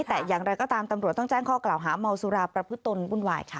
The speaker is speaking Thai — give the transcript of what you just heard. แต่อย่างไรก็ตามตำรวจต้องแจ้งข้อกล่าวหาเมาสุราประพฤตนวุ่นวายค่ะ